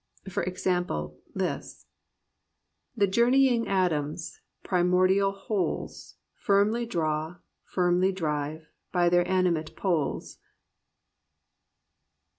For example, this: "The journeying atoms. Primordial wholes. Firmly draw, firmly drive. By their animate poles."